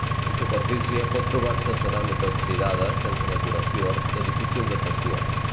En superfície pot trobar-se ceràmica oxidada sense decoració, de difícil datació.